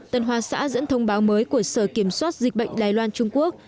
tân hoa xã dẫn thông báo mới của sở kiểm soát dịch bệnh đài loan trung quốc